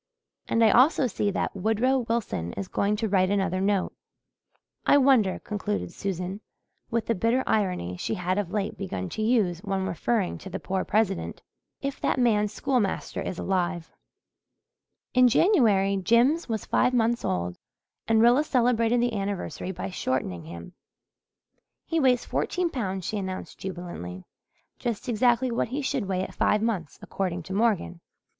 And I also see that Woodrow Wilson is going to write another note. I wonder," concluded Susan, with the bitter irony she had of late begun to use when referring to the poor President, "if that man's schoolmaster is alive." In January Jims was five months old and Rilla celebrated the anniversary by shortening him. "He weighs fourteen pounds," she announced jubilantly. "Just exactly what he should weigh at five months, according to Morgan."